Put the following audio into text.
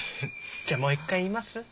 じゃもう一回言います？